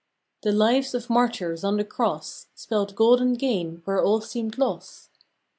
The lives of Martyrs on the Cross Spelled golden gain where all seemed loss.